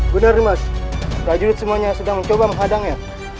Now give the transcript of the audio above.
gunar rimas rajulid semuanya sedang mencoba menghadangnya